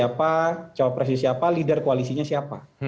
capresnya siapa capresnya siapa leader koalisinya siapa